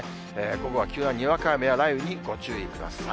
午後は急なにわか雨や雷雨にご注意ください。